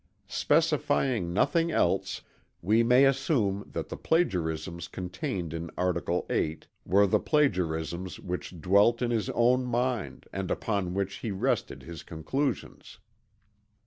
Specifying nothing else, we may assume that the plagiarisms contained in article VIII. were the plagiarisms which dwelt in his own mind and upon which he rested his conclusions.